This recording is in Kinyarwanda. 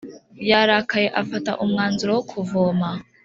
Yarakaye afata umwanzuro wo kuvoma